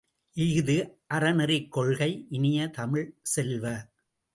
இஃது அறநெறிக் கொள்கை இனிய தமிழ்ச் செல்வ!